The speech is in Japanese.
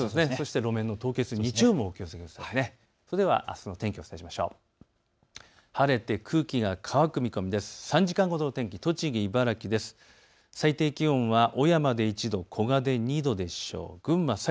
路面の凍結は日曜日もお気をつけください。